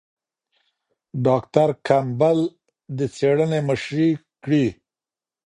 ډاکټر کمپبل د څېړنې مشري کړې.